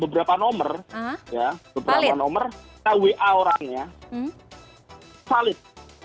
beberapa nomor kita wa orang ya valid